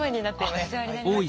お世話になりました